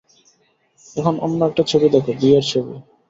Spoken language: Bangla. এখন অন্য একটা ছবি দেখ, বিয়ের ছবি।